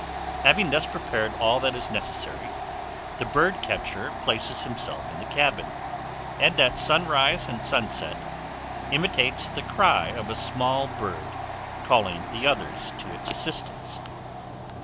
Having thus prepared all that is necessary, the birdcatcher places himself in the cabin, and, at sunrise and sunset, imitates the cry of a small bird calling the others to its assistance.